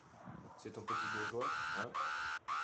C'est ton petit bourgeois, hein?